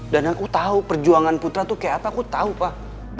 dan aku tahu perjuangan putra tuh kayak apa aku tahu pak